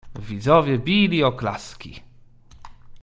"Widzowie bili oklaski."